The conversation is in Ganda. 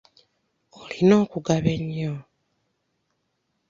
Olina okugaba ennyo.